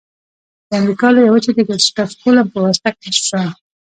د امریکا لویه وچه د کرستف کولمب په واسطه کشف شوه.